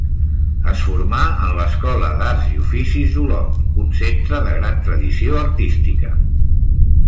Es formà en l'Escola d'Arts i Oficis d'Olot, un centre de gran tradició artística.